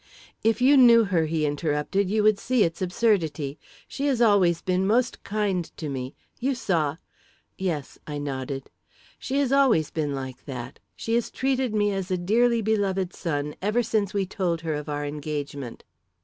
"If you knew her," he interrupted, "you would see its absurdity. She has always been most kind to me. You saw " "Yes," I nodded. "She has always been like that. She has treated me as a dearly beloved son ever since we told her of our engagement."